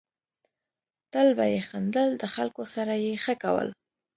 تل به یې خندل ، د خلکو سره یې ښه کول.